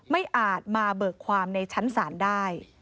อาจมาเบิกความในชั้นศาลได้